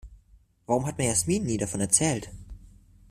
Warum hat mir Yasmin nie davon erzählt?